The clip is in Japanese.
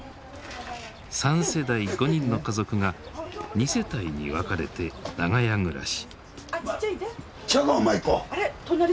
３世代５人の家族が２世帯に分かれて長屋暮らし。